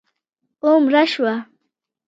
او مړه شوه